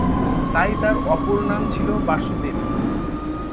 তাই তাঁর অপর নাম ছিল "বাসুদেব"।